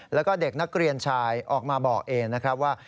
แล้วก็เด็กนักเรียนชายออกมาบอกเองนะครับว่า